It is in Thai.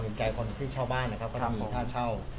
เขาก็ไม่มีเงินที่เข้ามาจ่ายท่าเช่า